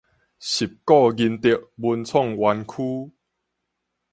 十鼓仁糖文創園區